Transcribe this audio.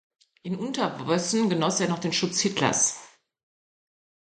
In Unterwössen genoss er noch den Schutz Hitlers.